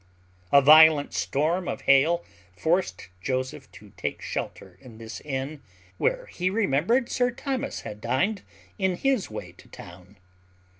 A violent storm of hail forced Joseph to take shelter in this inn, where he remembered Sir Thomas had dined in his way to town.